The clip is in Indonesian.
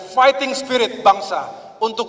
fighting spirit bangsa untuk